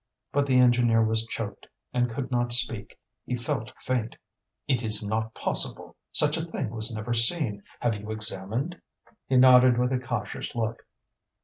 But the engineer was choked, and could not speak; he felt faint. "It is not possible; such a thing was never seen. Have you examined?" He nodded with a cautious look.